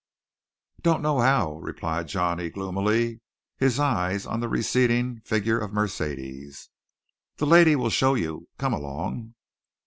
"Don't know how," replied Johnny gloomily, his eyes on the receding figure of Mercedes. "The lady'll show you. Come along!"